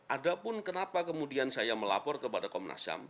ada pun kenapa kemudian saya melapor kepada komnas ham